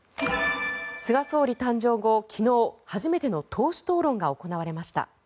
菅総理誕生後、昨日初めての党首討論が行われました。